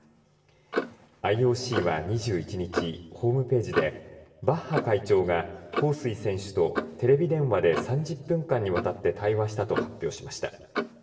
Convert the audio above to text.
ＩＯＣは２１日、ホームページでバッハ会長が彭帥選手とテレビ電話で３０分間にわたって対話したと発表しました。